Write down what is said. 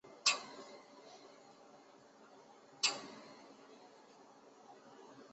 弗赖堡火车总站是德国弗赖堡行政区在铁路运输方面最重要的枢纽车站。